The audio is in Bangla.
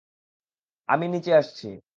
আমি নিচে আসছি।